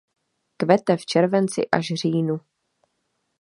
Kvete v červenci až říjnu.